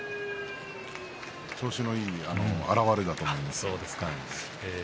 調子のいい表れだと思います。